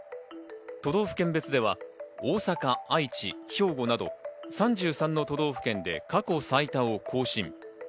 都道府県別では大阪、愛知、兵庫など３３の都道府県で過去最多を更新。